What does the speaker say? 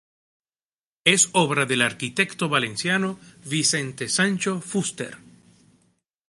Es obra del arquitecto valenciano Vicente Sancho Fuster.